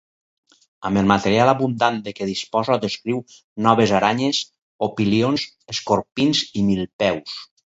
Amb el material abundant de què disposa descriu noves aranyes, opilions, escorpins i milpeus.